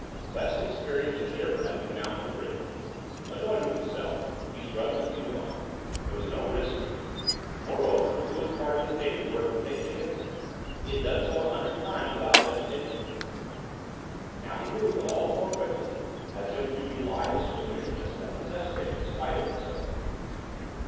Quest experienced a shiver as he mounted the bridge. Annoyed with himself, he shrugged the feeling off. There was no risk here. Moreover, it was a part of his daily work to take chances; he had done so a hundred times without hesitation. Now he moved all the more quickly, as if to belie the squeamishness that possessed him in spite of himself.